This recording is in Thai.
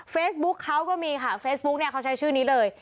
เฟซบุ๊กเขาก็มีค่ะเฟซบุ๊กเนี่ยเขาใช้ชื่อนี้เลย